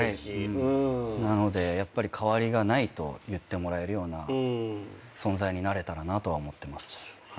なのでやっぱり代わりがないと言ってもらえるような存在になれたらなとは思ってます。